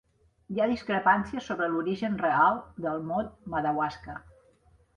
Hi ha discrepàncies sobre l'origen real del mot "Madawaska".